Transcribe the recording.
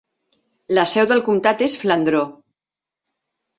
La seu del comtat és Flandreau.